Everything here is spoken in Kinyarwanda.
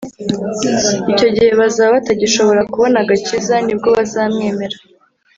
icyo gihe bazaba batagishobora kubona agakiza, ni bwo bazamwemera